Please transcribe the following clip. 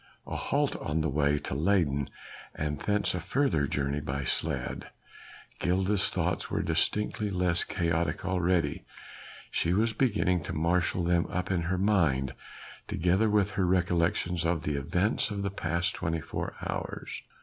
A halt on the way to Leyden! and thence a further journey by sledge! Gilda's thoughts were distinctly less chaotic already. She was beginning to marshal them up in her mind, together with her recollections of the events of the past twenty four hours.